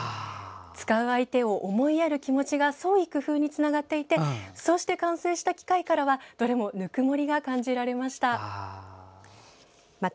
使う相手を思いやる気持ちが創意工夫につながっていてそうして完成した機械からはどれもぬくもりが感じられました。